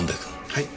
はい？